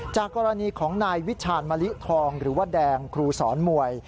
จากกรณีของนายวิชาณมะลิทองหรือว่าแดงครูสอนมวย